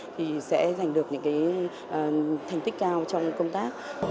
thì sẽ giành được những thành tích cao trong công tác